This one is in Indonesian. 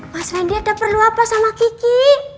mas wendy ada perlu apa sama kiki